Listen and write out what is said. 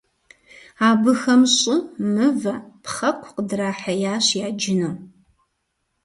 Абыхэм щӀы, мывэ, пхъэкъу къыдрахьеящ яджыну.